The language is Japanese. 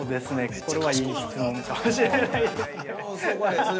これはいい質問かもしれないですね。